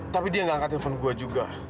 tapi dia gak angkat telepon gue juga